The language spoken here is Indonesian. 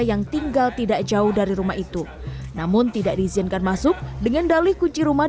yang tinggal tidak jauh dari rumah itu namun tidak diizinkan masuk dengan dalih kunci rumah